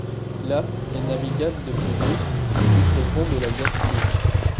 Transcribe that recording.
L'Aff est navigable depuis l'Oust jusqu'au pont de La Gacilly.